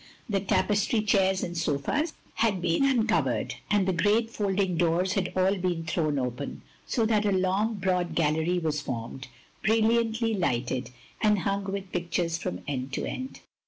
The tapestry chairs and sofas had been un covered; and the great folding doors had all been thrown open, so that a long, broad gallery was formed, brilliantly lighted, and htmg with pic tures from end to end.